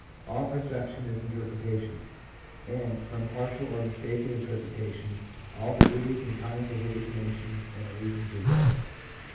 " All percep tion is interpretation ; and from partial or mistaken interpretation all degrees and kinds of hallucinations and illusions result."